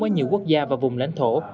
với nhiều quốc gia và vùng lãnh thổ